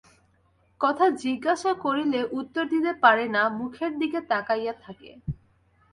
কথা জিজ্ঞাসা করিলে উত্তর দিতে পারে না, মুখের দিকে তাকাইয়া থাকে।